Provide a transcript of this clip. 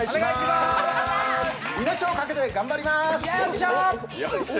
命をかけて頑張ります。